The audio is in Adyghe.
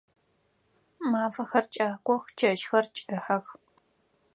Мафэхэр кӏакох, чэщхэр кӏыхьэх.